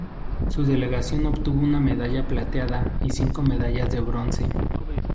Su delegación obtuvo una medalla plateada y cinco medallas de bronce.